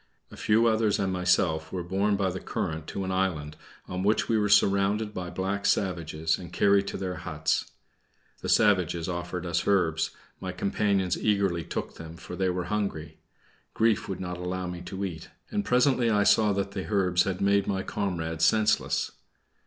A few others and myself were borne by the current to an island, on which we were surrounded by black savages, and carried to their huts. The savages offered us herbs; my companions eagerly took them, for they were hungry. Grief would not allow me to eat; and presently I saw that the herbs had made my comrades senseless.